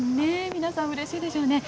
皆さんうれしいでしょうね。